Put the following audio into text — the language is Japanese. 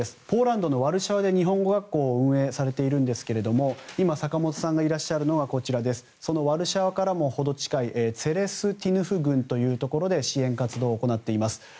ポーランドのワルシャワで日本語学校を運営されているんですが今、坂本さんがいらっしゃるのはワルシャワからも程近いツェレスティヌフ郡というところで支援活動を行っています。